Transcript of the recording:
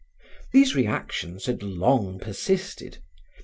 These reactions had long persisted.